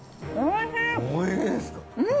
おいしい！